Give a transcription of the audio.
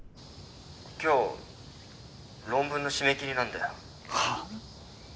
今日論文の締め切りなんだよ。はあ？